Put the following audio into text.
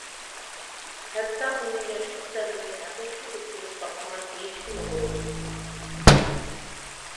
ھەتتا ئۇنى ياشلىق دەۋرىنى ھەقىقىي ئۆتكۈزۈپ باقمىغان دېيىشكىمۇ بولىدۇ.